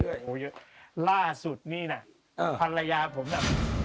เหรอเยอะล่าสุดนี่นะภรร้ายาผมก็